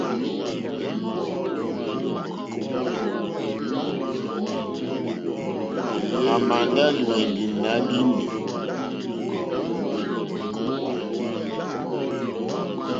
À mà ndá lùwɛ̀ndì nǎ línì.